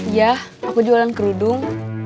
iya aku jualan kerudung